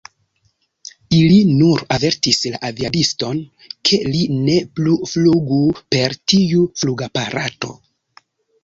Ili nur avertis la aviadiston, ke li ne plu flugu per tiu flugaparato.